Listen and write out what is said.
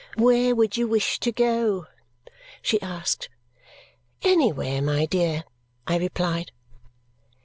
"Where would you wish to go?" she asked. "Anywhere, my dear," I replied.